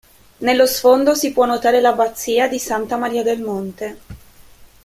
Nello sfondo si può notare l'Abbazia di Santa Maria del Monte.